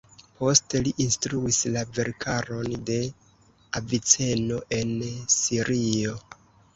Poste li instruis la verkaron de Aviceno en Sirio.